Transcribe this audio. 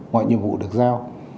mọi nhiệm vụ được giao